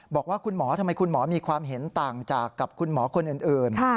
บอกว่าคุณหมอทำไมคุณหมอมีความเห็นต่างจากกับคุณหมอคนอื่น